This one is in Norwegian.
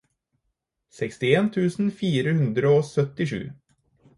sekstien tusen fire hundre og syttisju